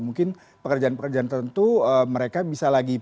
mungkin pekerjaan pekerjaan tentu mereka bisa lagi